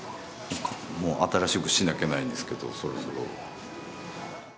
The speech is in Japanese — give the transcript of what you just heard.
もう新しくしなきゃないんですけどそろそろ。